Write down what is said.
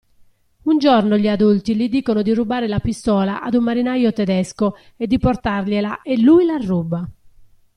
Un giorno gli adulti gli dicono di rubare la pistola ad un marinaio tedesco e di portargliela e lui la ruba.